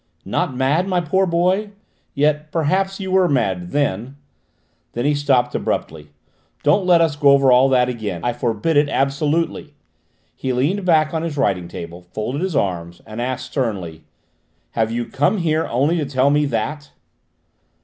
"Not mad, my poor boy? Yet perhaps you were mad then?" Then he stopped abruptly. "Don't let us go over all that again! I forbid it absolutely." He leaned back on his writing table, folded his arms and asked sternly: "Have you come here only to tell me that?"